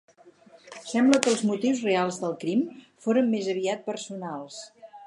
Sembla que els motius reals del crim foren més aviat personals.